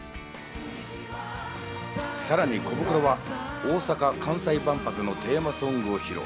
さらにコブクロは大阪・関西万博のテーマソングを披露。